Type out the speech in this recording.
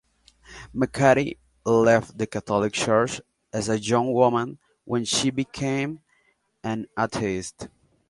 McCarthy left the Catholic Church as a young woman when she became an atheist.